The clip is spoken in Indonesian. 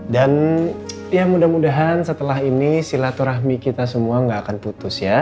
dan ya mudah mudahan setelah ini silaturahmi kita semua gak akan putus ya